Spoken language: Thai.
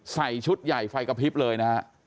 ใส่ชุดใหญ่ไฟกระพริบเลยนะฮะ